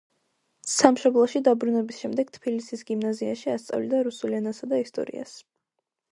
სამშობლოში დაბრუნების შემდეგ თბილისის გიმნაზიაში ასწავლიდა რუსულ ენასა და ისტორიას.